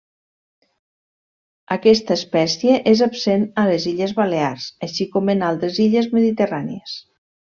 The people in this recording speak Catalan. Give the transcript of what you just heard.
Aquesta espècie és absent a les illes Balears, així com en altres illes mediterrànies.